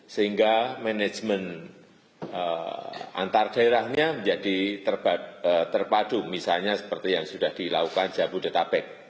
sehingga manajemen antar daerahnya menjadi terpadu misalnya seperti yang sudah dilakukan jabodetabek